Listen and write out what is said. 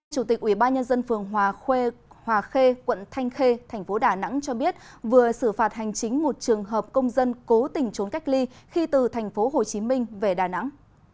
chủ tịch ubnd phường hòa khê quận thanh khê thành phố đà nẵng cho biết vừa xử phạt hành chính một trường hợp công dân cố tình trốn cách ly khi từ thành phố hồ chí minh về đà nẵng